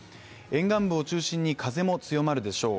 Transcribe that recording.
沿岸部を中心に、風も強まるでしょう。